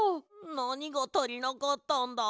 なにがたりなかったんだ？